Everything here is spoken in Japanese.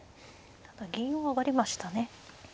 ただ銀を上がりましたね。